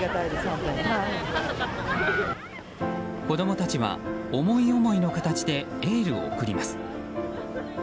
子供たちは思い思いの形でエールを送ります。